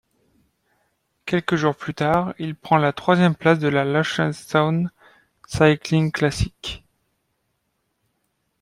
Quelques jours plus tard, il prend la troisième place de la Launceston Cycling Classic.